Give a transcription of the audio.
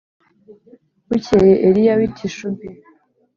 Bukeye Eliya w’i Tishubi